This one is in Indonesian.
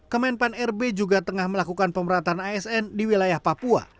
kemenpan rb juga tengah melakukan pemerataan asn di wilayah papua